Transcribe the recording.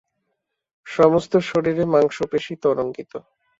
সমস্ত শরীরে মাংসপেশী তরঙ্গিত।